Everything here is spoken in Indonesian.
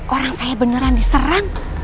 orang saya beneran diserang